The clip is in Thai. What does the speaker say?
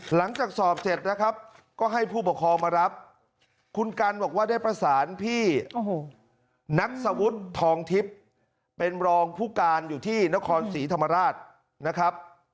หลังจากสอบเสร็จนะครับก็ให้ผู้ปกครองมารับคุณกันบอกว่าได้ประสานพี่นักสวุฒิทองทิพย์เป็นรองผู้การอยู่ที่นครศรีธรรมราชนะครับ